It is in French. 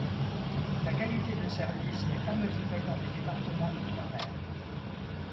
La qualité de service n'est pas mesurée dans les départements d'outre-mer.